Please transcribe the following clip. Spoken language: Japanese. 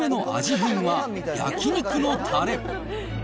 変は、焼き肉のたれ。